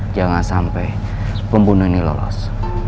jangan sampai pembunuh ini lolos